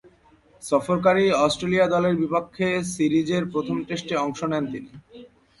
সফরকারী Australia দলের বিপক্ষে সিরিজের প্রথম টেস্টে অংশ নেন তিনি।